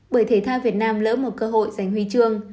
bởi thể thao việt nam lỡ một cơ hội giành huy chương